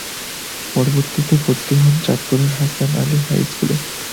পরবর্তীতে ভর্তি হন চাঁদপুরের হাসান আলী হাই স্কুলে।